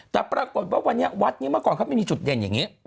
แต่ปรากฏว่าวันนี้วัดนี้เมื่อก่อนเขาไม่มีจุดเด่นอย่างนี้